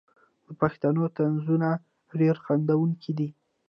د پښتنو طنزونه ډیر خندونکي دي.